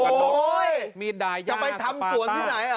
โอ้โหจะไปทำสวนที่ไหนหรอ